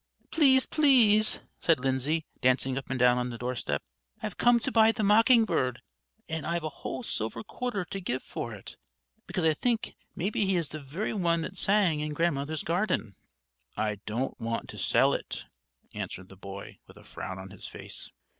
"Please, please," said Lindsay, dancing up and down on the doorstep, "I've come to buy the mocking bird; and I've a whole silver quarter to give for it, because I think maybe he is the very one that sang in Grandmother's garden." "I don't want to sell it," answered the boy, with a frown on his face.